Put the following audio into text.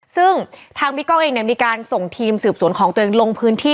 ซึ่งทางพี่ก้องเองเนี่ยมีการส่งทีมสืบสวนของตัวเองลงพื้นที่